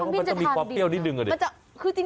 มันจะมีความเปรี้ยวนิดนึงอ่ะดิ